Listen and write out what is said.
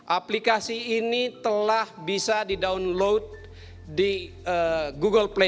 aplikasi ini telah bisa didownload di google play